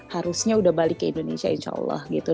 harusnya udah balik ke indonesia insya allah gitu